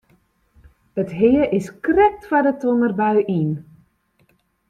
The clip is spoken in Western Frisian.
It hea is krekt foar de tongerbui yn.